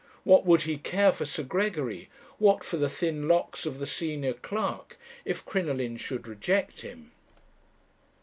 What would he care for Sir Gregory, what for the thin locks of the senior clerk, if Crinoline should reject him?